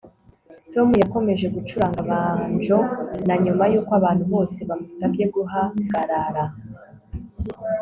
Tom yakomeje gucuranga banjo na nyuma yuko abantu bose bamusabye guhagarara